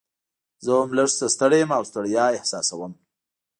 زه هم لږ څه ستړی یم او ستړیا احساسوم.